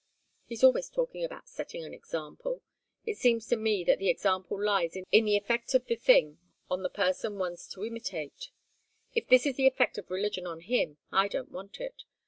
He's always talking about setting an example it seems to me that the example lies in the effect of the thing upon the person one's to imitate. If this is the effect of religion on him, I don't want it.